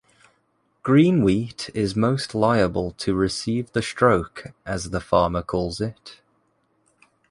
Green wheat is most liable to receive the stroke, as the farmer calls it.